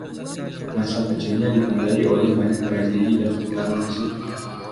Masa kecilnya ditandai oleh banyak tragedi dan putaran nasib.